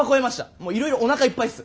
もういろいろおなかいっぱいっす。